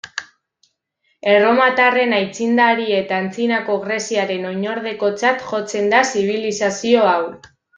Erromatarren aitzindari eta antzinako Greziaren oinordekotzat jotzen da zibilizazio hau.